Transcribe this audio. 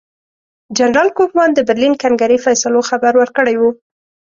جنرال کوفمان د برلین کنګرې فیصلو خبر ورکړی وو.